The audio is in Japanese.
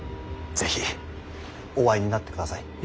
是非お会いになってください。